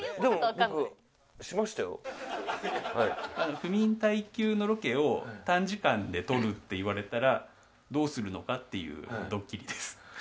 不眠耐久のロケを短時間で撮るって言われたらどうするのかっていうドッキリです。